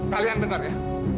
kalian dengar ya